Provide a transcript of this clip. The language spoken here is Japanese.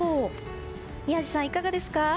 宮司さん、いかがですか？